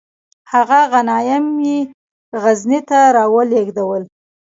هغه غنایم یې غزني ته را ولیږدول.